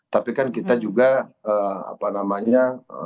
tapi kan kita juga apa namanya